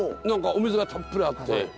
何かお水がたっぷりあって。